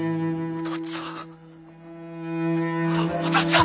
おとっつぁん！